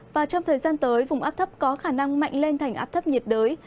và trong thời gian tới vùng áp thấp có khả năng mạnh lên thành áp thấp nhiệt đới